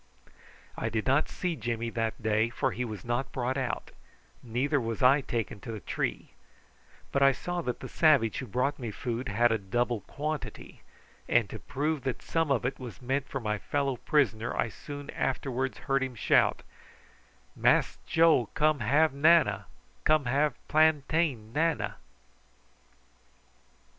I did not see Jimmy that day, for he was not brought out, neither was I taken to the tree, but I saw that the savage who brought me food had a double quantity, and to prove that some of it was meant for my fellow prisoner I soon afterwards heard him shout: "Mass Joe come have 'nana come have plantain 'nana."